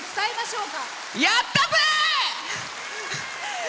やったぜー！